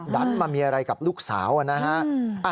ดันมามีอะไรกับลูกสาวนะฮะ